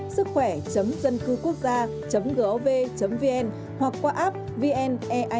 sứckhoẻ dâncưquốcgia gov vn hoặc qua app vn